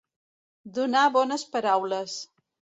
Donar bones paraules.